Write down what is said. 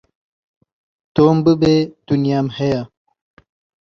تۆم ببێ دونیام هەیە